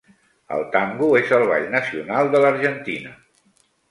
El tango és el ball nacional de l'Argentina.